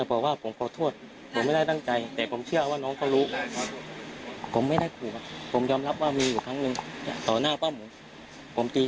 ลูกนั่งอยู่ในตัดผมขอมาดึงลูกออกจากตัดผมไป